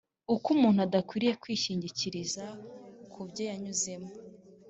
uko umuntu adakwiriye kwishingikiriza ku byo yanyuzemo,